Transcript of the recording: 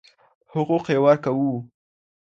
حقوق يې ورکوو.